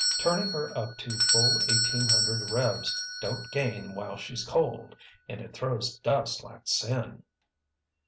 Turning her up to full eighteen hundred revs don't gain while she's cold, and it throws dust like sin!"